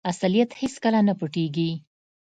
اصلیت هیڅکله نه پټیږي.